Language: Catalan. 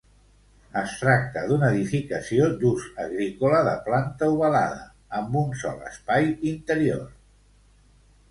Es tracta d'una edificació d'ús agrícola de planta ovalada, amb un sol espai interior.